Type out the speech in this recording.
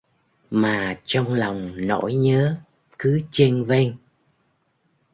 Mà trong lòng nỗi nhớ cứ chênh vênh